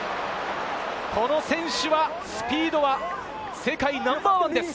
この選手のスピードは世界ナンバーワンです。